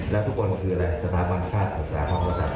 และทุกคนคืออะไรสตราบัญชาติของสหภาพมศาสตร์